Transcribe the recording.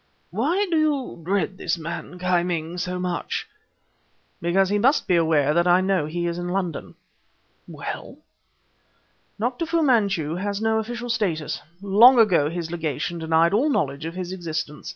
"Why do you dread this man, Ki Ming, so much?" "Because he must be aware that I know he is in London." "Well?" "Dr. Fu Manchu has no official status. Long ago, his Legation denied all knowledge of his existence.